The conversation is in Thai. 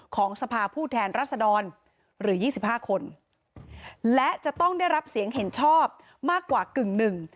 ของสภาผู้แทนรัศดรหรือยี่สิบห้าคนและจะต้องได้รับเสียงเห็นชอบมากกว่ากึ่งหนึ่ง